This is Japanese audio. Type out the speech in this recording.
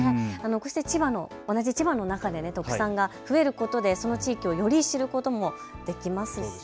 同じ千葉の中で特産が増えることでその地域をより知ることもできますしね。